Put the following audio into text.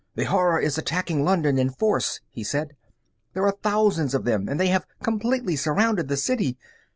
"The Horror is attacking London in force," he said. "There are thousands of them and they have completely surrounded the city.